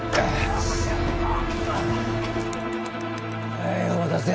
・はいお待たせ。